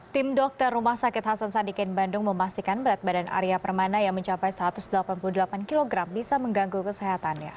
tim dokter rumah sakit hasan sadikin bandung memastikan berat badan arya permana yang mencapai satu ratus delapan puluh delapan kg bisa mengganggu kesehatannya